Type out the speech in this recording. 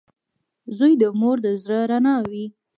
• زوی د مور د زړۀ رڼا وي.